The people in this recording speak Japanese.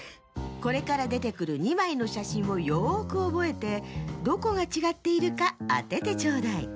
これからでてくる２まいのしゃしんをよくおぼえてどこがちがっているかあててちょうだい。